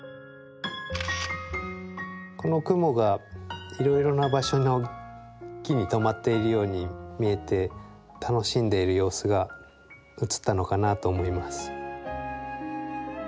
このクモがいろいろな場所の木にとまっているように見えて楽しんでいる様子が写ったのかなと思います。